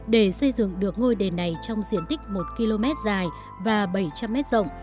để xây dựng được ngôi đền này trong diện tích một km dài và bảy trăm linh m rộng